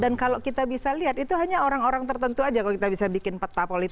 dan kalau kita bisa lihat itu hanya orang orang tertentu aja kalau kita bisa bikin peta politiknya